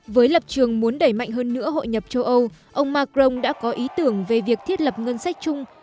với lập trường muốn đẩy mạnh hơn nữa hội nhập châu âu ông macron đã có ý tưởng về việc thiết lập ngân sách chung